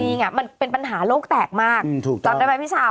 จริงอ่ะมันเป็นปัญหาโลกแตกมากอืมถูกต้องจับได้ไหมพี่เช้า